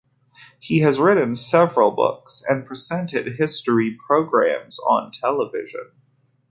He has written several books and presented history programmes on television.